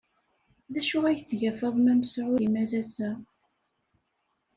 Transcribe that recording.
D acu ay tga Faḍma Mesɛud imalas-a?